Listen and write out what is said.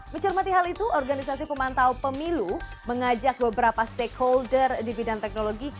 mencermati hal itu organisasi pemantau pemilu mengajak beberapa stakeholder di bidang teknologi